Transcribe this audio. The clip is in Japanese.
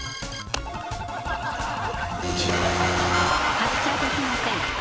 発車できません。